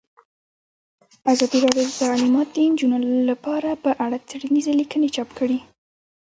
ازادي راډیو د تعلیمات د نجونو لپاره په اړه څېړنیزې لیکنې چاپ کړي.